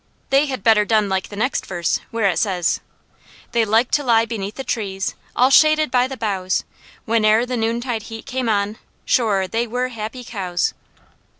They had better done like the next verse, where it says: "'They like to lie beneath the trees, All shaded by the boughs, Whene'er the noontide heat came on: Sure, they were happy cows!'